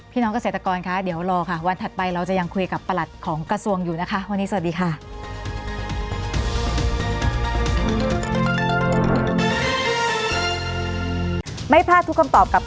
พี่น้องเกษตรกรคะเดี๋ยวรอค่ะวันถัดไปเราจะยังคุยกับประหลัดของกระทรวงอยู่นะคะ